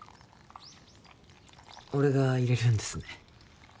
俺が入れるんですね